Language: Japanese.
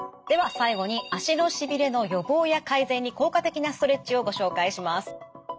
では最後に足のしびれの予防や改善に効果的なストレッチをご紹介します。